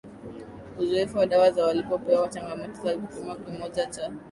uzoevu wa dawa ya walipopewa changamoto kwa kipimo kimoja cha